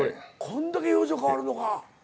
こんだけ表情変わるのか。